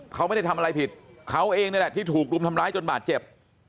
เขาไม่ได้ทำอะไรผิดเขาเองนี่แหละที่ถูกรุมทำร้ายจนบาดเจ็บ